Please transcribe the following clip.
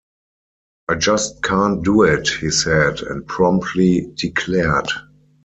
"I just can't do it," he said, and promptly declared.